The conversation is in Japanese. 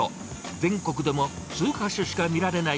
全国でも数か所しか見られない